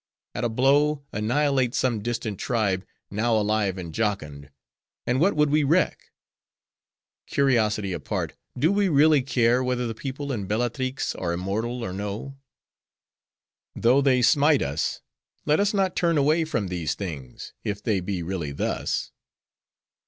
At a blow, annihilate some distant tribe, now alive and jocund—and what would we reck? Curiosity apart, do we really care whether the people in Bellatrix are immortal or no? "'Though they smite us, let us not turn away from these things, if they be really thus.